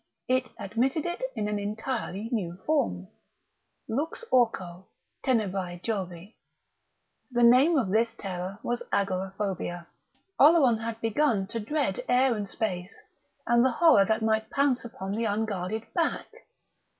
It admitted it in an entirely new form. Lux orco, tenebrae Jovi. The name of this terror was agoraphobia. Oleron had begun to dread air and space and the horror that might pounce upon the unguarded back.